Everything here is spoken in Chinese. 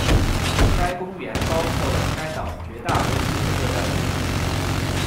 该公园包括了该岛绝大多数的热带雨林。